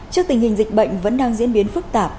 trước tình hình dịch bệnh vẫn đang diễn biến phức tạp